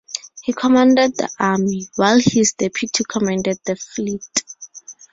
He commanded the army, while his deputy commanded the fleet.